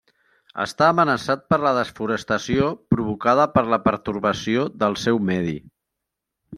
Està amenaçat per la desforestació provocada per la pertorbació del seu medi.